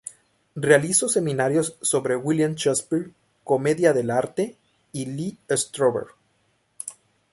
Realizó seminarios sobre William Shakespeare, Comedia del arte y Lee Strasberg.